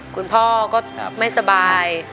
คุณพ่อก็ไม่สบาย